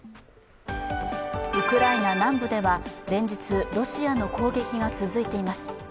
ウクライナ南部では連日ロシアの攻撃が続いています。